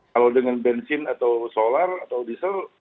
kalau dengan bensin atau solar atau diesel kan nggak bisa